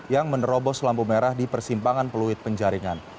yang menerobos lampu merah di persimpangan peluit penjaringan